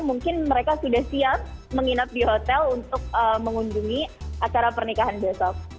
mungkin mereka sudah siap menginap di hotel untuk mengunjungi acara pernikahan besok